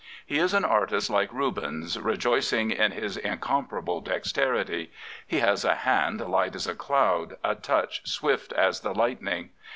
He is an artist like Rubens, rejoicing in his incomparable dexterity. He has a hand light as a cloud, a touch swift as the light ning.